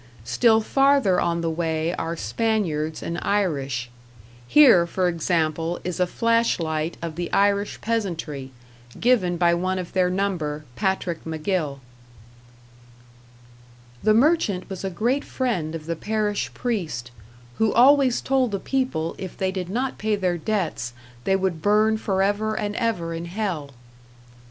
Still farther on the way are Spaniards and Irish; here, for example, is a flashlight of the Irish peasantry, given by one of their number, Patrick MacGill: The merchant was a great friend of the parish priest, who always told the people if they did not pay their debts they would burn for ever and ever in hell.